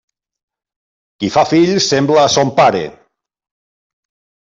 Qui fa fills sembla a son pare.